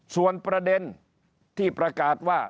ส่วนประเด็นที่ประกาศว่า